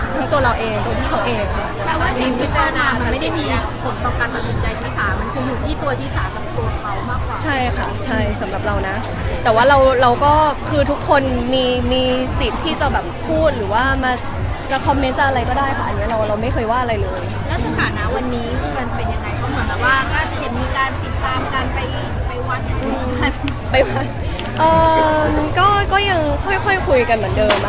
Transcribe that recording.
ก็เหมือนมีการติดตามกันไปวัน